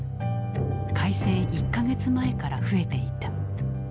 開戦１か月前から増えていた。